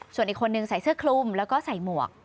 ส่วนอีกคนนึงใส่เสื้อคลุมแล้วก็ใส่หมวก